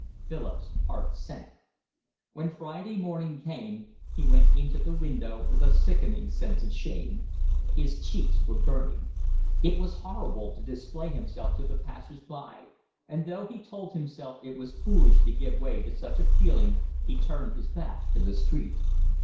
Philip's heart sank. When Friday morning came he went into the window with a sickening sense of shame. His cheeks were burning. It was horrible to display himself to the passers by, and though he told himself it was foolish to give way to such a feeling he turned his back to the street.